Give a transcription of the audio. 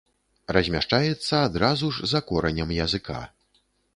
Размяшчаецца адразу ж за коранем языка.